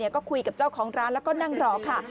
ก็คุยกับเจ้าของร้านแล้วก็นั่งรอค่ะ